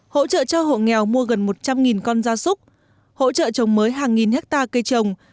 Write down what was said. hỗ trợ cho hộ nghèo mua gần một trăm linh con gia súc hỗ trợ trồng mới hàng nghìn hectare cây trồng